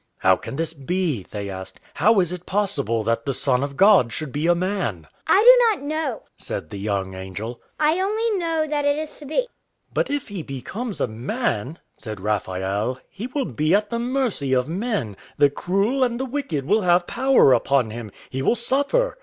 "How can this be?" they asked. "How is it possible that the Son of God should be a man?" "I do not know," said the young angel. "I only know that it is to be." "But if he becomes a man," said Raphael, "he will be at the mercy of men; the cruel and the wicked will have power upon him; he will suffer."